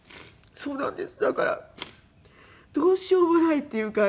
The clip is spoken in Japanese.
そうなんです。